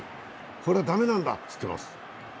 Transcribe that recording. これ駄目なんだって言ってますね。